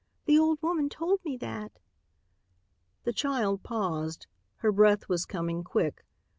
The old woman told me that." The child paused. Her breath was coming quick.